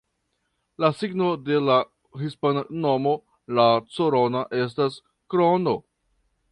La signifo de la hispana nomo ""La Corona"" estas ""Krono"".